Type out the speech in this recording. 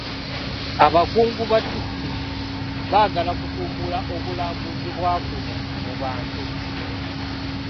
Abakungu ba disitulikiti baagala kutumbula obulambuzi bwa kuno mu bantu.